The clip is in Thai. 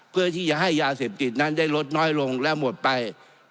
เพื่อที่จะให้ยาเสพติดนั้นได้ลดน้อยลงและหมดไป